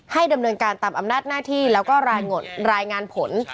ดำเนินการตามอำนาจหน้าที่แล้วก็รายงานผล